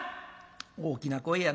「大きな声やな。